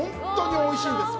おいしいですよ。